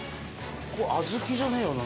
これ小豆じゃねえよな。